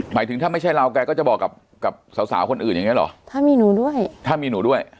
หมายถึงถ้าไม่ใช่เราแกก็จะบอกกับกับสาวสาวคนอื่นอย่างเงี้เหรอถ้ามีหนูด้วยถ้ามีหนูด้วย